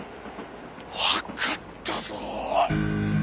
わかったぞ！